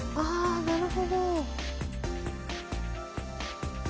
あなるほど。